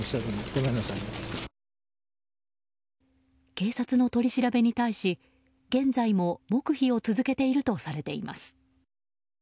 警察の取り調べに対し、現在も黙秘を続けているとされています。